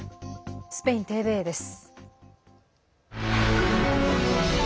スペインＴＶＥです。